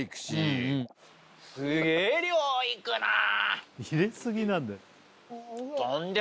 すげぇ量いくなぁ。